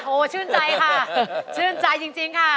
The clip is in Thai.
ชื่นใจค่ะชื่นใจจริงค่ะ